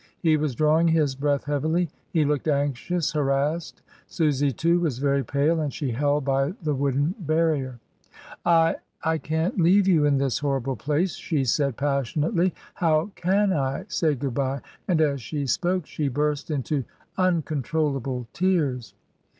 He was drawing his breath heavily; he looked anxious, harassed. Susy, too, was very pale, and she held by the wooden barrier. "I — I can't leave you in this horrible place," she said passionately. "How can I say good bye?" and as she spoke she burst into uncontrollable tears.